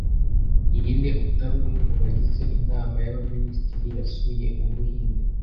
Ninde utari umwe mu bagize Inama y'Abaminisitiri yasuye Ubuhinde